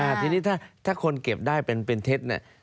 ทีนี้ถ้าคนเก็บได้เป็นเป็นเท็จเนี่ย